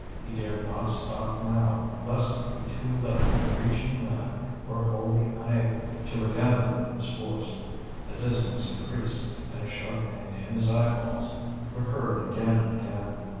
He dared not stop now, lest he be too late in reaching land or wholly unable to regather his force. The dizziness increased, and a sharp pain in his eyeballs recurred again and again.